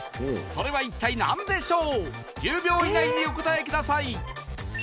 それは一体何でしょう１０秒以内にお答えください